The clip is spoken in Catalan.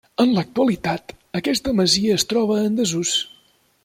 En l'actualitat aquesta masia es troba en desús.